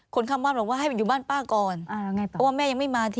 คนข้างบ้านบอกว่าให้ไปอยู่บ้านป้าก่อนเพราะว่าแม่ยังไม่มาสิ